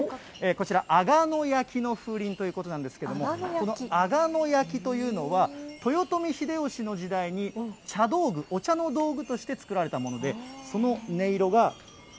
こちら、上野焼の風鈴ということなんですけれども、この上野焼というのは、豊臣秀吉の時代に、茶道具、お茶の道具として作られたもので、その音色が。